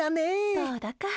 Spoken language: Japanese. どうだか。